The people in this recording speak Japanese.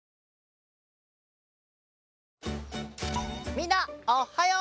みんなおはよう！